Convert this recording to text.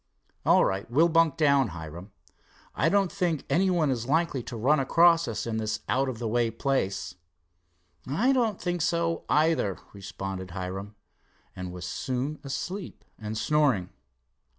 "All right, we'll bunk down, Hiram. I don't think any one is likely to run across us in this out of the way place." "I don't think so, either," responded Hiram, and was soon asleep and snoring.